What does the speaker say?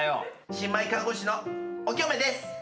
新米看護師のおきょめです。